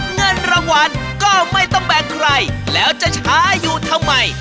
เงินรางวัลก็ไม่ต้องแบ่งใครแล้วจะช้าอยู่ทำไม